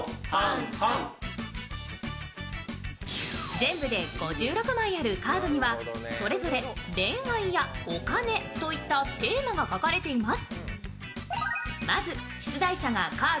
全部で５６枚あるカードにはそれぞれ恋愛やお金といったテーマが書かれています。